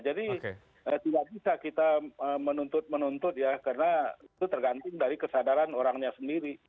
jadi tidak bisa kita menuntut menuntut ya karena itu tergantung dari kesadaran orangnya sendiri